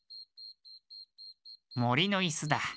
もりのいすだ。